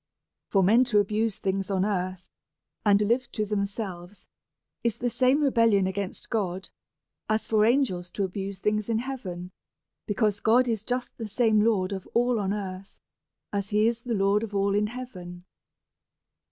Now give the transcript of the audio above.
For men to abuse things on earth, and live to themselves, is the same re bellion against God as for angels to abuse things in heaven; because God is just the same Lord of all on earth, as he is the Lord of all in heaven.